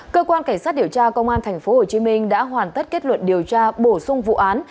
cơ quan cảnh sát điều tra công an tp hcm đã hoàn tất kết luận điều tra bổ sung vụ án